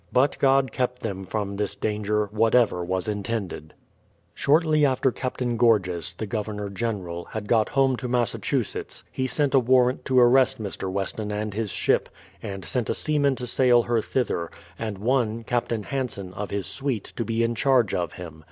But God kept them from this danger, whatever was intended. 130 BRADFORD'S HISTORY OF Shortly after Captain Gorges, the Governor General, had got home to Massachusetts, he sent a warrant to arrest Mr. Weston and his ship, and sent a seaman to sail her thither, and one. Captain Hanson, of his suite, to be in charge of him.